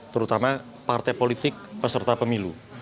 terutama partai politik peserta pemilu